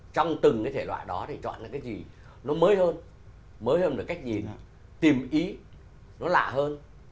trong từng cái thể loại đó thì chọn ra cái gì nó mới hơn mới hơn được cách nhìn hơn tìm ý nó lạ hơn